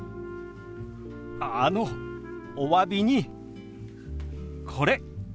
あのおわびにこれ。